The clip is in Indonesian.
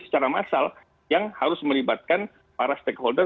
secara massal yang harus melibatkan para stakeholder